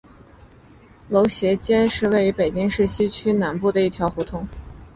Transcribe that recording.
楼桃斜街是位于北京市西城区南部的一条胡同。